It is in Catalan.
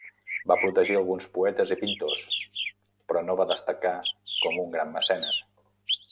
Va protegir alguns poetes i pintors però no va destacar com un gran mecenes.